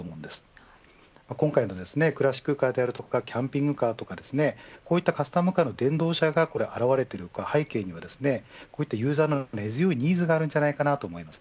今回のクラシックカーであるとかキャンピングカーとかこういったカスタムカーの電動車が現れている背景にはユーザーの根強いニーズがあるんじゃないかと思います。